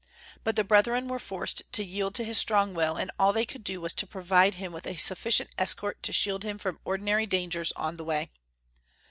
But the brethren were forced to yield to his strong will, and all they could do was to provide him with a sufficient escort to shield him from ordinary dangers on the way.